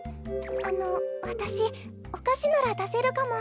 あのわたしおかしならだせるかも。